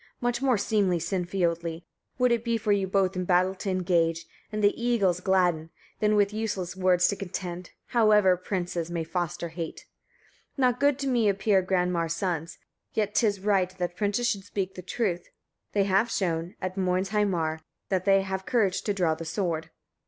"Much more seemly, Sinfiotli! would it be for you both in battle to engage, and the eagles gladden, than with useless words to contend, however princes may foster hate. 45. Not good to me appear Granmar's sons, yet 'tis right that princes should speak the truth: they have shown, at Moinsheimar, that they have courage to draw the sword." 46.